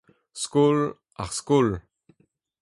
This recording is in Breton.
skol, ar skol